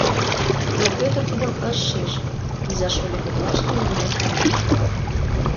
Но Пӧтыр тидым ыш шиж: иза-шольо коклаште нимом пайлаш.